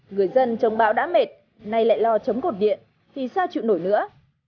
người dân chống bão đã mệt nay lại lo chống cột điện thì sao chịu nổi nữa